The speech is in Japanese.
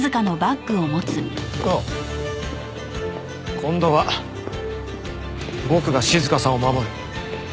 今度は僕が静さんを守る。